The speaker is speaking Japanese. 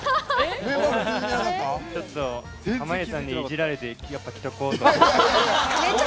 ちょっと濱家さんにいじられてやっぱ着ておこうと思って。